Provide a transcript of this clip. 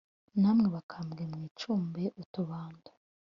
namwe bakambwe mwicumbe utubando